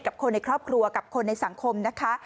กับคนในครอบครัวกับคนในสังคมนะคะ